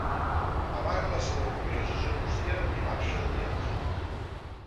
Amaga la seva furiosa gelosia i marxa de viatge.